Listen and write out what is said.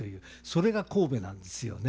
それが神戸なんですよね。